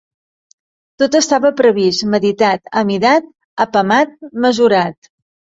Tot estava previst, meditat, amidat, apamat, mesurat